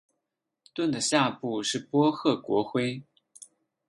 盾的下部是波赫国徽。